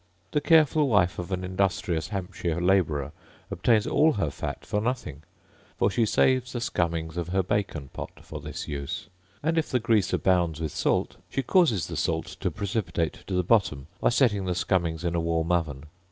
The careful wife of an industrious Hampshire labourer obtains all her fat for nothing; for she saves the scumrnings of her bacon pot for this use; and, if the grease abounds with salt, she causes the salt to precipitate to the bottom, by setting the scummings in a warm oven.